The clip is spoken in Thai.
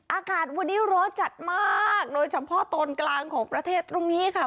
อากาศวันนี้ร้อนจัดมากโดยเฉพาะตอนกลางของประเทศตรงนี้ค่ะ